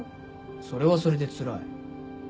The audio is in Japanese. それはそれでつらい。